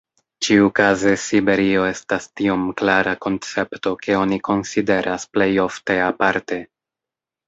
Ĉiukaze Siberio estas tiom klara koncepto ke oni konsideras plej ofte aparte.